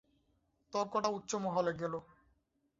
তর্কটা উচ্চ মহলে গেল।